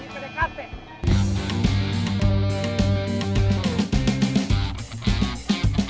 gua lagi ke dkt